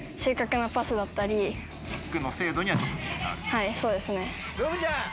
はいそうですね。